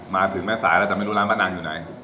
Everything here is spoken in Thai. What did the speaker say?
มาถึงไม่สายแล้วจะบรรทาแมนร้านปะนางอยู่ไหน